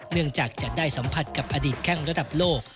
เนื่องจากจะได้สัมผัสกับอดีตแข้งระดับโลก